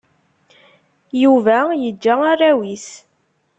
Yuba yeǧǧa arraw-is.